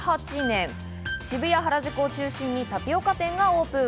渋谷・原宿を中心にタピオカ店がオープン。